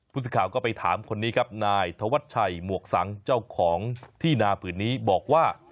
ผู้สื่อข่าวก็ไปถามคนนี้ครับนายธวัชชัยหมวกสังเจ้าของที่นาผืนนี้บอกว่า